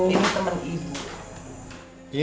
ini temen ibu